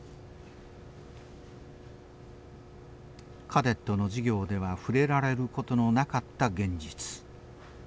カデットの授業では触れられることのなかった現実。